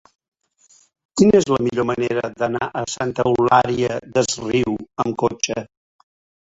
Quina és la millor manera d'anar a Santa Eulària des Riu amb cotxe?